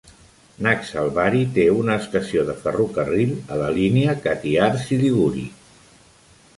Naxalbari té una estació de ferrocarril a la línia Katihar-Siliguri.